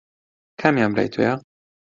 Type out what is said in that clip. کامیان برای تۆیە؟